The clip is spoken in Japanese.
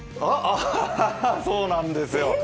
アハハ、そうなんですよ。